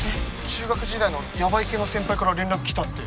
中学時代のやばい系の先輩から連絡来たって。